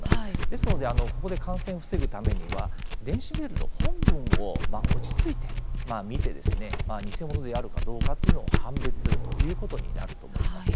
ですのでここで感染を防ぐためには電子メールの本文を落ち着いて見て偽物であるかどうかというのを判別するということになると思います。